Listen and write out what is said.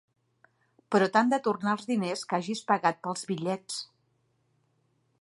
Però t'han de tornar els diners que hagis pagat pels bitllets.